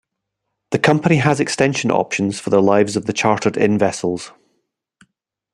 The Company has extension options for the lives of the chartered-in vessels.